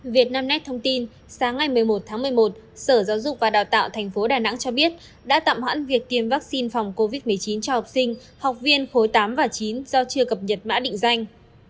việt nam nét thông tin sáng ngày một mươi một tháng một mươi một sở giáo dục và đào tạo tp đà nẵng cho biết đã tạm hoãn việc tiêm vaccine phòng covid một mươi chín cho học sinh học viên khối tám và chín do chưa cập nhật mã định danh